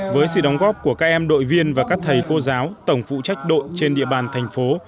với sự đóng góp của các em đội viên và các thầy cô giáo tổng phụ trách đội trên địa bàn thành phố